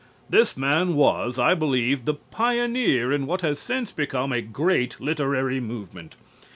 This man was, I believe, the pioneer in what has since become a great literary movement.